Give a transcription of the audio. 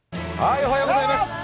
おはようございます。